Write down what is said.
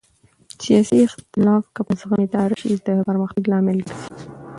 سیاسي اختلاف که په زغم اداره شي د پرمختګ لامل ګرځي